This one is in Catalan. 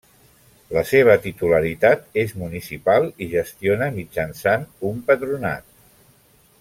La seva titularitat és municipal i gestiona mitjançant un patronat.